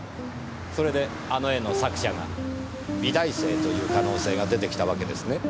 それであの絵の作者が美大生という可能性が出てきたわけですね。